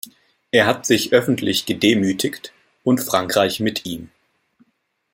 Er hat sich öffentlich gedemütigt und Frankreich mit ihm.